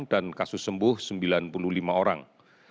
dan kasus sembuh sembilan puluh lima orang